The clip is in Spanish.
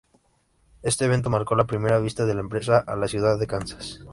Este evento marcó la primera visita de la empresa a la ciudad de Kansas.